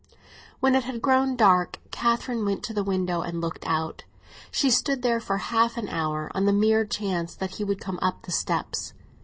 When it had grown dark, Catherine went to the window and looked out; she stood there for half an hour, on the mere chance that he would come up the steps.